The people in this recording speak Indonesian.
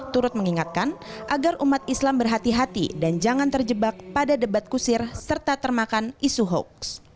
turut mengingatkan agar umat islam berhati hati dan jangan terjebak pada debat kusir serta termakan isu hoax